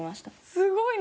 すごいね！